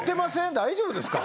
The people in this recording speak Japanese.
大丈夫ですか？